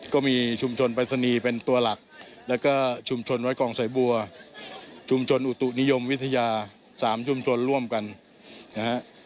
ก็มีชุมชนปรายศนีย์เป็นตัวหลักแล้วก็ชุมชนวัดกองสายบัวชุมชนอุตุนิยมวิทยา๓ชุมชนร่วมกันนะฮะ